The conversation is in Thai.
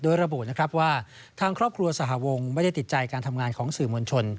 โดยระบุนะครับว่าทางครอบครัวสหวงไม่ได้ติดใจการทำงานของสื่อมวลชน